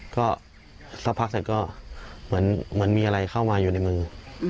สับพักเสร็จมีอะไรเข้ามาอยู่ในมือ